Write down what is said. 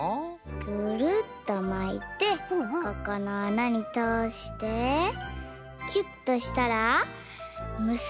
ぐるっとまいてここのあなにとおしてきゅっとしたらむすべます！